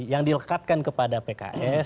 yang dilekatkan kepada pks